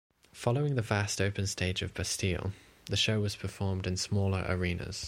Following the vast open stage of Bastille, the show was performed in smaller arenas.